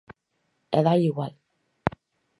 E dálle igual.